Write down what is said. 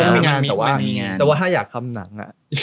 มันมีงานแต่ว่าถ้าอยากทำหนัง